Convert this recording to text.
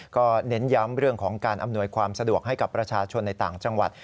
ก็เน้นย้ำเรื่องของการอำนวยความสะดวกให้กับประชาชนในต่างจังหวัด